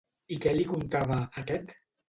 I què li contava, aquest?